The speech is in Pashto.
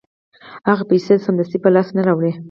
هغه پیسې سمدستي په لاس نه راوړي